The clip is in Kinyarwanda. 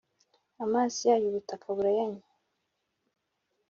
amazi yayo ubutaka burayanywa,